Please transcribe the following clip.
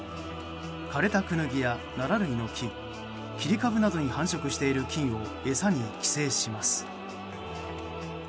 枯れたクヌギやナラ類の木切り株などに繁殖している菌を餌に寄生します。